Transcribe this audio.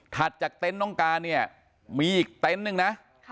จากเต็นต์น้องการเนี่ยมีอีกเต็นต์นึงนะ